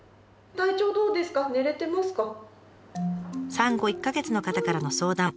産後１か月の方からの相談。